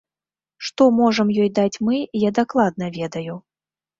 Што можам ёй даць мы, я дакладна ведаю.